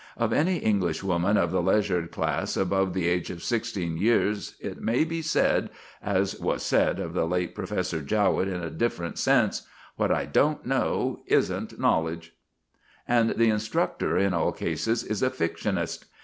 Of any Englishwoman of the leisured class above the age of sixteen years it may be said, as was said of the late Professor Jowett in a different sense, "What I don't know isn't knowledge." And the instructor in all cases is a fictionist.